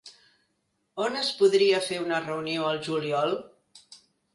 On es podria fer una reunió al juliol?